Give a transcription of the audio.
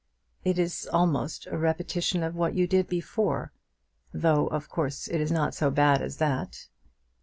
"It is almost a repetition of what you did before; though of course it is not so bad as that."